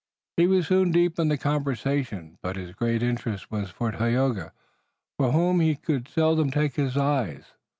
He was soon deep in the conversation, but his greatest interest was for Tayoga, from whom he could seldom take his eyes.